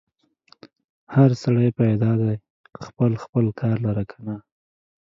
هر سړی پیدا دی خپل خپل کار لره که نه؟